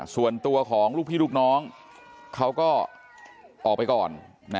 ส่วนตัวของลูกพี่ลูกน้องเขาก็ออกไปก่อน